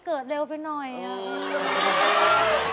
ที่พอจับกีต้าร์ปุ๊บ